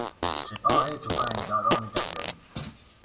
سپاه تفنگداران دریایی